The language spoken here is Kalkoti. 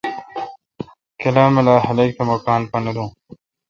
کلا ملا خلق تہ مہ کان نہ دوں۔